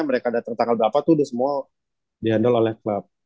mereka datang tanggal berapa itu udah semua diandalkan oleh klub